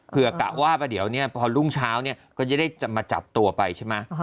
เพื่อกะว่าเดี๋ยวเนี่ยพอรุ่งเช้าเนี่ยก็จะได้จะมาจับตัวไปใช่ไหม